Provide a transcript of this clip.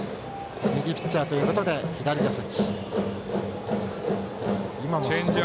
右ピッチャーということで左打席。